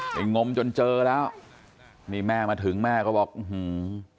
งมจนเจอแล้วนี่แม่มาถึงแม่ก็บอกอื้อหือ